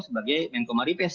sebagai menko maripes